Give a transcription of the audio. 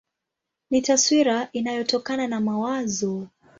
Ni taswira inayotokana na mawazo.